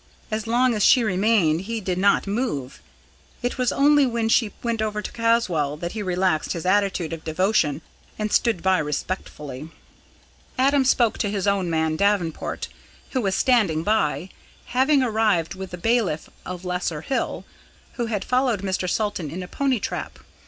So long as she remained he did not move; it was only when she went over to Caswall that he relaxed his attitude of devotion and stood by respectfully. Adam spoke to his own man, Davenport, who was standing by, having arrived with the bailiff of Lesser Hill, who had followed Mr. Salton in a pony trap.